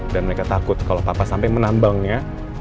dan mereka takut kalau papa sampai menambangnya